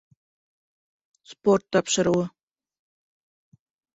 Спорт тапшырыуы